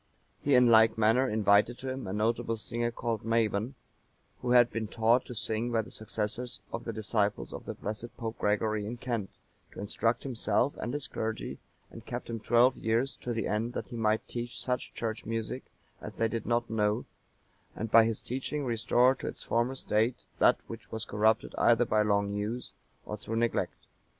He in like manner invited to him a notable singer called Maban,(943) who had been taught to sing by the successors of the disciples of the blessed Pope Gregory in Kent, to instruct himself and his clergy, and kept him twelve years, to the end that he might teach such Church music as they did not know, and by his teaching restore to its former state that which was corrupted either by long use, or through neglect.